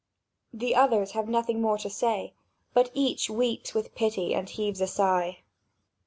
The others have nothing more to say; but each weeps with pity and heaves a sigh.